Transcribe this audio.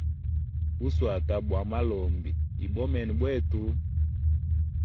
Bu shwata bwa malombi ibomene bwetu.